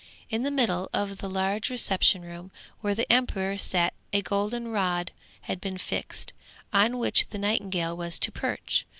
In the middle of the large reception room where the emperor sat a golden rod had been fixed, on which the nightingale was to perch.